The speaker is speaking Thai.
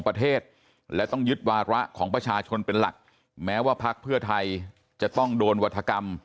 ประเทศและต้องยึดวาระของประชาชนเป็นหลักแม้ว่าพักเพื่อไทยจะต้องโดนวัฒกรรม